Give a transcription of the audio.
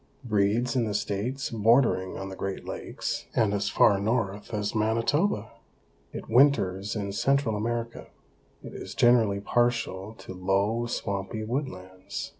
Breeds in the states bordering on the Great Lakes and as far north as Manitoba. It winters in Central America. It is generally partial to low, swampy woodlands.